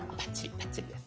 バッチリです。